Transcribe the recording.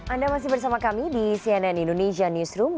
anda masih bersama kami di cnn indonesia newsroom